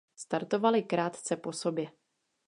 Startovaly krátce po sobě.